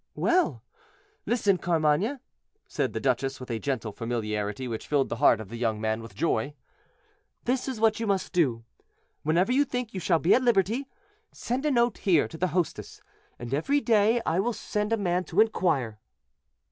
"Well! listen, Carmainges," said the duchess, with a gentle familiarity which filled the heart of the young man with joy; "this is what you must do, whenever you think you shall be at liberty—send a note here to the hostess, and every day I will send a man to inquire."